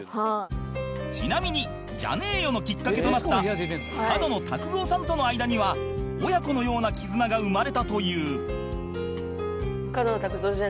ちなみに「じゃねーよ」のきっかけとなった角野卓造さんとの間には親子のような絆が生まれたという